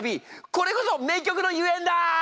これこそ名曲のゆえんだ！